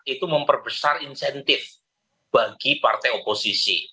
itu memperbesar insentif bagi partai oposisi